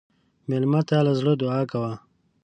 مېلمه ته له زړه دعا کوه.